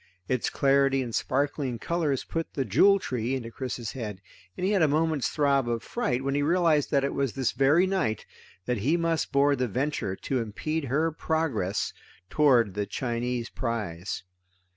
Its clarity and sparkling colors put the Jewel Tree into Chris's head and he had a moment's throb of fright when he realized that it was this very night that he must board the Venture to impede her progress toward the Chinese prize.